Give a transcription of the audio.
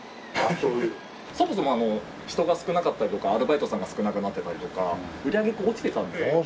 そもそもあの人が少なかったりとかアルバイトさんが少なくなってたりとか売り上げ落ちてたんです。